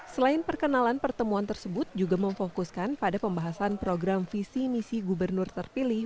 selain perkenalan pertemuan tersebut juga memfokuskan pada pembahasan program visi misi gubernur terpilih